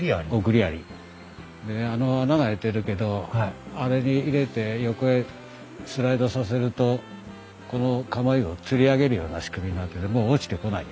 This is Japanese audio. でねあの穴が開いてるけどあれに入れて横へスライドさせるとこのかもいをつり上げるような仕組みになっててもう落ちてこない。